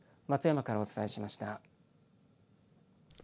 松山からお伝えしました。